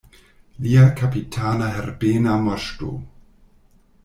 Lia kapitana Herbena Moŝto!